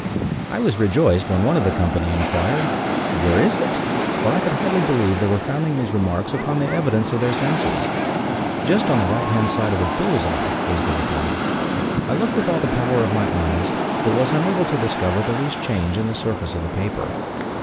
I was rejoiced when one of the company inquired, "Where is it?" for I could hardly believe they were founding these remarks upon the evidence of their senses. "Just on the right hand side of the bull's eye," was the reply. I looked with all the power of my eyes, but was unable to discover the least change in the surface of the paper.